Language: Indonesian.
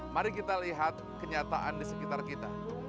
mari kita lihat kenyataan di sekitar kita